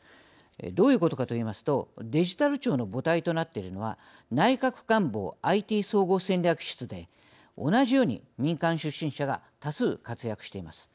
どういうことかといいますとデジタル庁の母体となっているのは内閣官房ＩＴ総合戦略室で同じように民間出身者が多数活躍しています。